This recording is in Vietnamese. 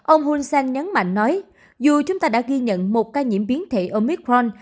ông hun sen nhắn mạnh nói dù chúng ta đã ghi nhận một ca nhiễm biến thể omicron